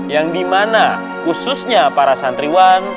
yang dimana khususnya para santriwan